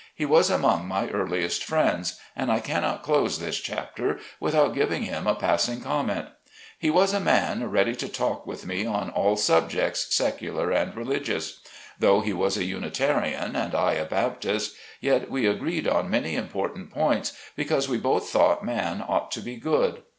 He was among my earliest friends, and I cannot close this chapter without giving him a passing comment. He was a man ready to talk with me on all subjects, secular and religious. Though he was 40 SLAVE CABIN TO PULPIT. a Unitarian, and I a Baptist, yet we agreed on many important points, because we both thought man ought to be good.